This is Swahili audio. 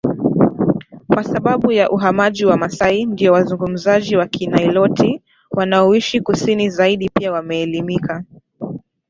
Kwa sababu ya uhamaji Wamasai ndio wazungumzaji wa Kiniloti wanaoishi kusini zaidi Pia wameelimika